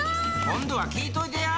今度は聞いといてや！